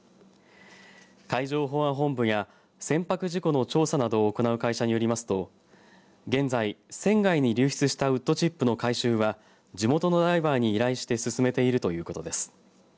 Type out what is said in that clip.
海上保安本部や船舶事故の調査などを行う会社によりますと現在、船外に流出したウッドチップの回収は地元のダイバーに依頼して進めているということです。